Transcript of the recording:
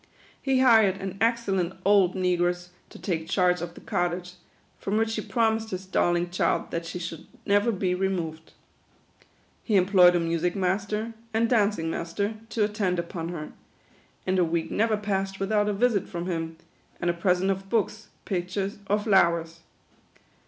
He hired an excellent old negress to take charge of the cottage, from which he promised his darling child that she should never be removed. He employed a music master, and dancing master, to attend upon her ; and a week never passed without a visit from him, and a present of books, pic tures, or flowers.